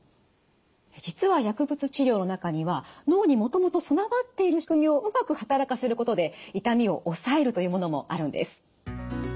実は薬物治療の中には脳にもともと備わっているしくみをうまく働かせることで痛みを抑えるというものもあるんです。